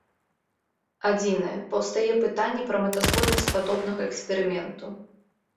Адзінае, паўстае пытанне пра мэтазгоднасць падобнага эксперыменту.